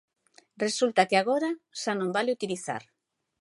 Resulta que agora xa non vale utilizar.